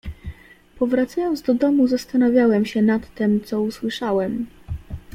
"Powracając do domu, zastanawiałem się nad tem, co usłyszałem."